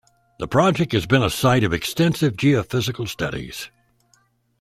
The project has been a site of extensive geophysical studies.